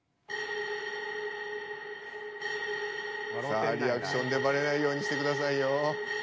さあリアクションでバレないようにしてくださいよ。